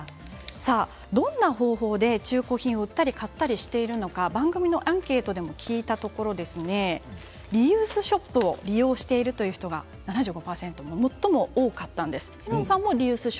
どんな方法で中古品を買ったり売ったりしているのか番組でアンケートで聞いたところリユースショップを利用しているという方が７５％で最も多かったんです。